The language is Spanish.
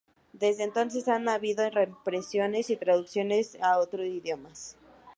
Desde entonces ha habido reimpresiones y traducciones a otros idiomas.